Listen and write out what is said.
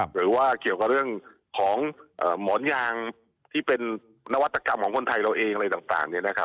หรือว่าเกี่ยวกับเรื่องของหมอนยางที่เป็นนวัตกรรมของคนไทยเราเองอะไรต่าง